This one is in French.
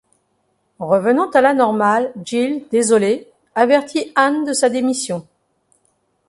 Revenant à la normale, Gil, désolé, avertit Ann de sa démission.